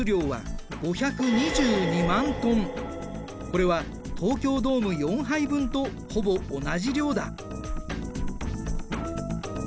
これは東京ドーム４杯分とほぼ同じ量だ。